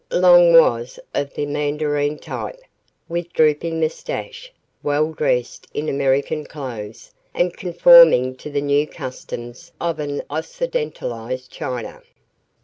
Long was of the mandarin type, with drooping mustache, well dressed in American clothes, and conforming to the new customs of an occidentalized China.